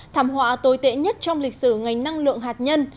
thảm họa tồi tệ nhất trong lịch sử ngành năng lượng hạt nhân